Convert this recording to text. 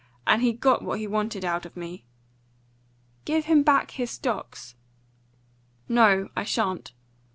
And he got what he wanted out of me." "Give him back his stocks!" "No, I shan't.